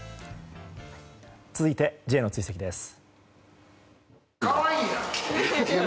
続いて、Ｊの追跡です。